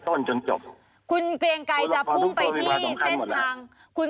จนจบคุณเกรียงไกรจะพุ่งไปที่เส้นทางคุณ